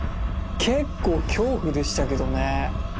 結構恐怖でしたけどね。